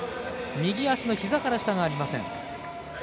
右足のひざから下がありません。